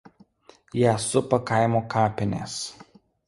Ją supa kaimo kapinės.